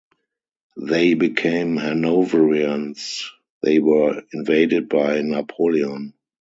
They became Hanoverians; they were invaded by Napoleon.